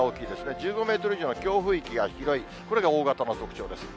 １５メートル以上の強風域が広い、これが大型の特徴です。